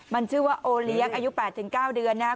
มันชื่อว่าโอเลี้ยงอายุ๘๙เดือนนะครับ